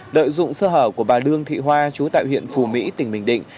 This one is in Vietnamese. lợi dụng sự sơ hở của bà đương thị hoa chú tại huyện phù mỹ tỉnh bình định